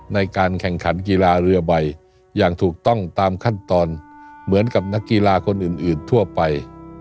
ในการแข่งขันกีฬาเรือใบอย่างถูกต้องตามขั้นตอนเหมือนกับนักกีฬาคนอื่นทั่วไป